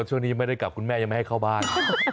ช่วงนี้ยังไม่ได้กลับคุณแม่ยังไม่ให้เข้าบ้าน